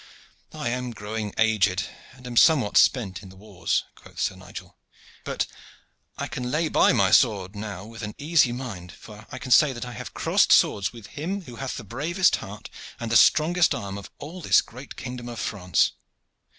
"I am growing aged, and am somewhat spent in the wars," quoth Sir Nigel; "but I can lay by my sword now with an easy mind, for I can say that I have crossed swords with him who hath the bravest heart and the strongest arm of all this great kingdom of France.